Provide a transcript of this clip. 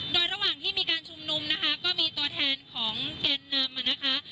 โดยระหว่างที่มีการชุมนุมนะคะก็มีตัวแทนของแกนนำนะคะ